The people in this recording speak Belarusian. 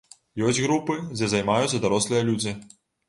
Ёсць групы, дзе займаюцца дарослыя людзі.